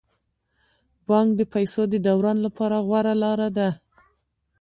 بانک د پيسو د دوران لپاره غوره لاره ده.